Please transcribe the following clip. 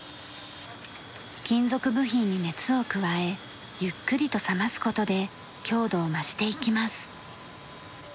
金属部品に熱を加えゆっくりと冷ます事で強度を増していきます。